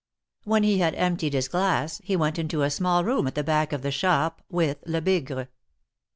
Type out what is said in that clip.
When he had emptied his glass, he went into a small room at the back of the shop with Lebigre.